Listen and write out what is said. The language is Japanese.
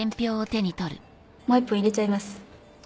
もう１本入れちゃいます？